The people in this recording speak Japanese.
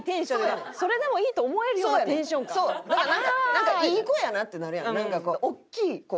なんかいい子やなってなるやん。